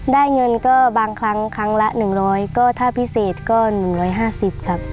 ได้เงินก็บางครั้งครั้งละ๑๐๐ก็ถ้าพิเศษก็๑๕๐ครับ